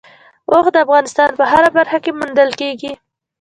اوښ د افغانستان په هره برخه کې موندل کېږي.